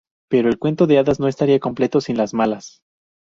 Pero el cuento de hadas no estaría completo sin las malas.